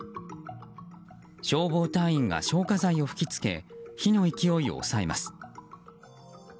消防隊員が消火剤を吹き付け火の勢いを抑えます。